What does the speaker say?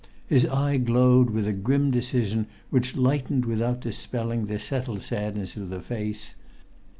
His eye glowed with a grim decision which lightened without dispelling the settled sadness of the face.